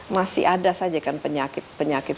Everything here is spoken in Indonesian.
masih ada saja kan penyakit penyakit